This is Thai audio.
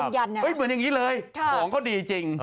เหมือนอย่างนี้เลยของเขาดีจริง